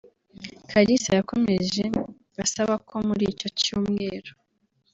Kalisa yakomeje asaba ko muri icyo cyumweru